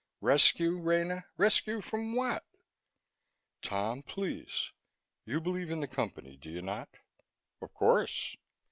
"Rescue, Rena? Rescue from what?" "Tom, please. You believe in the Company, do you not?" "Of course!"